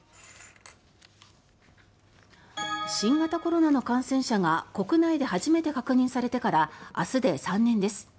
新型コロナの感染者が国内で初めて確認されてから明日で３年です。